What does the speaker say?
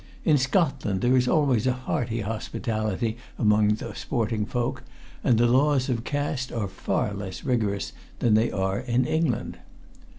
In Scotland there is always a hearty hospitality among the sporting folk, and the laws of caste are far less rigorous than they are in England.